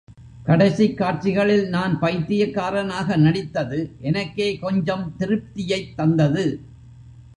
கடைசிக்காட்சிகளில் நான் பைத்தியக்காரனாக நடித்தது, எனக்கே கொஞ்சம் திருப்தியைத் தந்தது.